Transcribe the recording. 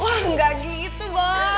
wah enggak gitu boy